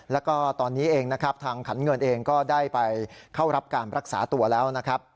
แล้วก็ตอนนี้เองทางขันเงินเองก็ได้ไปเข้ารับการรักษาตัวแล้ว